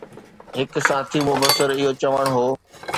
هڪ ساٿي مبصر اهو چوڻ هو